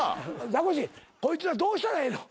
ザコシこいつらどうしたらええの？